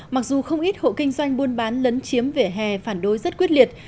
mặc dù không ít hộ kinh doanh buôn bán lấn chiếm vỉa hè phản đối rất quyết liệt